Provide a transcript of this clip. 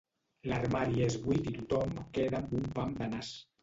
L'armari és buit i tothom queda amb un pam de nas.